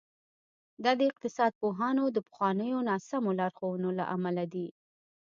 دا د اقتصاد پوهانو د پخوانیو ناسمو لارښوونو له امله دي.